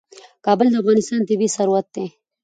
کابل د افغانستان طبعي ثروت دی.